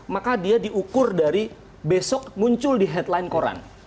maka dia diukur dari besok muncul di headline koran